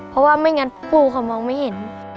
เพราะว่าไม่งั้นปูเขามองไม่เห็น